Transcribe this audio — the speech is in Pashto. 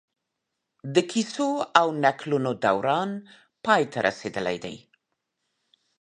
د کيسو او نکلونو دوران پای ته رسېدلی دی